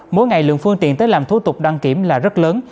mỗi ngày lượng phương tiện tới làm thủ tục đăng kiểm là rất lớn